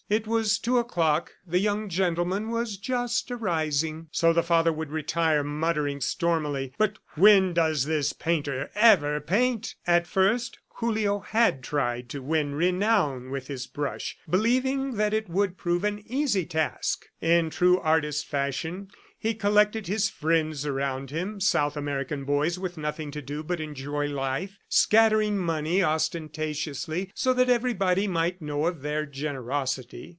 It was two o'clock, the young gentleman was just arising. So the father would retire, muttering stormily "But when does this painter ever paint?" ... At first Julio had tried to win renown with his brush, believing that it would prove an easy task. In true artist fashion, he collected his friends around him, South American boys with nothing to do but enjoy life, scattering money ostentatiously so that everybody might know of their generosity.